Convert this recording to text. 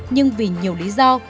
nhưng vì nhiều lý do